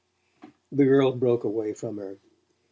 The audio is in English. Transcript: The girl broke away from her.